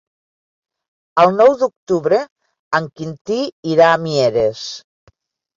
El nou d'octubre en Quintí irà a Mieres.